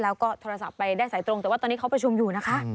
แล้วก็โทรศัพท์ไปได้สายตรงแต่ว่าตอนนี้เขาประชุมอยู่นะคะ